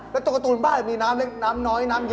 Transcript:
ตรงตัวบ้านมีน้ำน้อยน้ำเยอะ